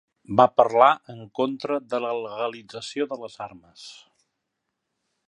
Va parlar en contra de la legalització de les armes.